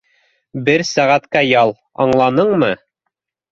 Бер сәғәткә ял, аңланыңмы?